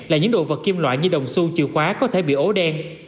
là những đồ vật kim loại như đồng xu khóa có thể bị ố đen